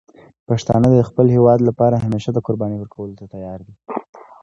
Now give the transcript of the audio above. پښتانه د خپل هېواد لپاره همیشه د قربانی ورکولو ته تیار دي.